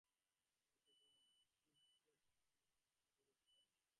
ভারত এখনও বুদ্ধের ভাব আত্মসাৎ করিতে পারে নাই।